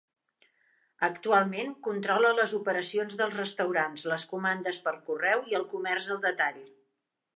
Actualment, controla les operacions dels restaurants, les comandes per correu i el comerç al detall.